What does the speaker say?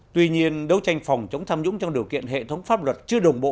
tuy nhiên đấu tranh phòng chống tham nhũng trong điều kiện hệ thống pháp luật chưa đồng bộ